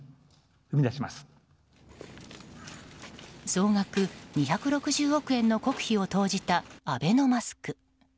総額２６０億円の国費を投じたアベノマスク。